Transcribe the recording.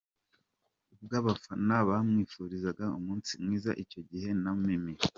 ubw’abafana bamwifuriza umunsi mwiza, icyo gihe na Mimi